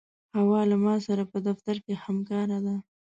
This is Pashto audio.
حوا له ما سره په دفتر کې همکاره ده.